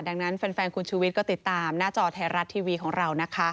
ดังนั้นแฟนคุณชุวิตก็ติดตามหน้าจอไทยรัฐทีวีของเรานะคะ